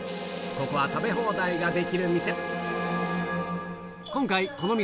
ここは食べ放題ができる店